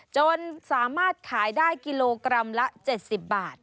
จนสามารถขายได้กิโลกรัมละ๗๐บาท